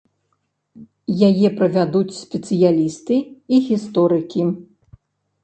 Яе правядуць спецыялісты і гісторыкі.